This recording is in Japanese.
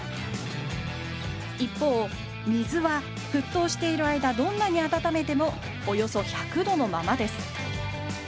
一方水は沸騰している間どんなに温めてもおよそ１００度のままです。